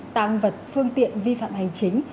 tạm vật phương tiện vi phạm hành chính